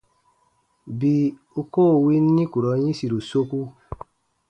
Bii u koo win nikurɔn yĩsiru soku.